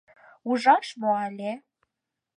Ужаш мо, але...